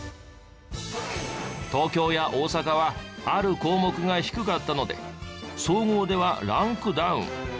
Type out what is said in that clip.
東京や大阪はある項目が低かったので総合ではランクダウン。